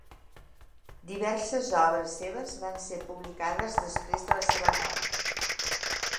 Diverses obres seves van ser publicades després de la seva mort.